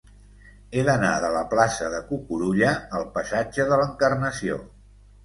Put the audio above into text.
He d'anar de la plaça de Cucurulla al passatge de l'Encarnació.